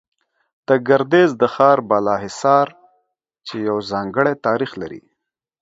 د ګردېز د ښار بالا حصار، چې يو ځانگړى تاريخ لري